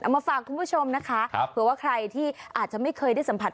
มาฝากคุณผู้ชมนะคะเผื่อว่าใครที่อาจจะไม่เคยได้สัมผัส